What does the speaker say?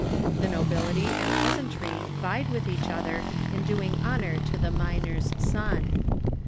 The nobility and peasantry vied with each other in doing honor to the miner's son.